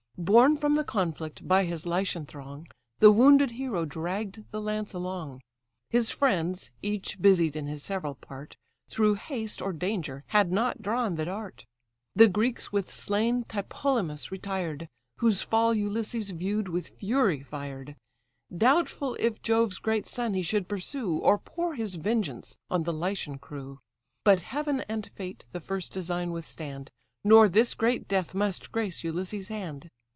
Borne from the conflict by his Lycian throng, The wounded hero dragg'd the lance along. (His friends, each busied in his several part, Through haste, or danger, had not drawn the dart.) The Greeks with slain Tlepolemus retired; Whose fall Ulysses view'd, with fury fired; Doubtful if Jove's great son he should pursue, Or pour his vengeance on the Lycian crew. But heaven and fate the first design withstand, Nor this great death must grace Ulysses' hand.